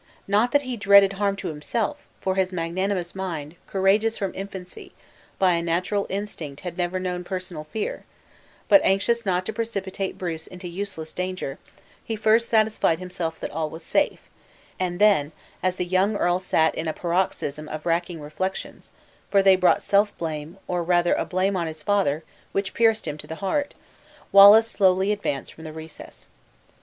Not that he dreaded harm to himself, for his magnanimous mind, courageous from infancy, by a natural instinct had never known personal fear; but anxious not to precipitate Bruce into useless danger, he first satisfied himself that all was safe, and then, as the young earl sat in a paroxysm of racking reflections (for they brought self blame, or rather a blame on his father, which pierced him to the heart), Wallace slowly advanced from the recess.